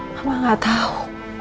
mama nggak tahu